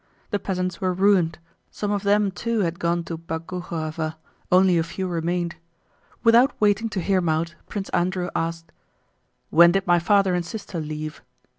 The peasants were ruined; some of them too had gone to Boguchárovo, only a few remained. Without waiting to hear him out, Prince Andrew asked: "When did my father and sister leave?"